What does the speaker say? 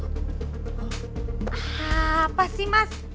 apa sih mas